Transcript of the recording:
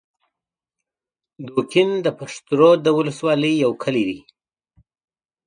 دوکین د پشترود د ولسوالۍ یو کلی دی